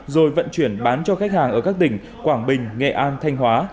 rồi vận chuyển bán cho khách hàng ở các tỉnh quảng bình nghệ an thanh hóa